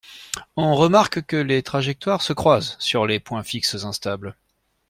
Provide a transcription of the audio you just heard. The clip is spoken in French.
On remarque que les trajectoires se croisent sur les points fixes instables